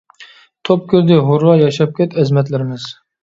-توپ كىردى، ھۇررا. -ياشاپ كەت ئەزىمەتلىرىمىز!